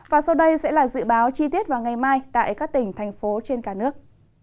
và sau đây sẽ là dự báo chi tiết vào ngày mai tại các tỉnh thành phố trên cả nước